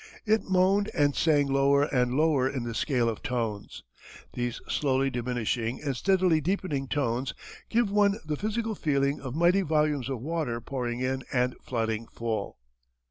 It moaned and sang lower and lower in the scale of tones. These slowly diminishing and steadily deepening tones give one the physical feeling of mighty volumes of water pouring in and flooding full.